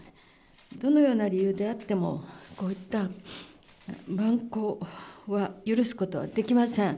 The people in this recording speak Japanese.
どのような理由であっても、こういった蛮行は許すことはできません。